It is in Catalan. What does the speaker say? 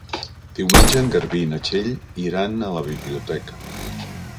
Diumenge en Garbí i na Txell iran a la biblioteca.